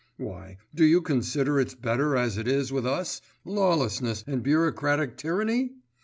Why, do you consider it's better as it is with us, lawlessness and bureaucratic tyranny?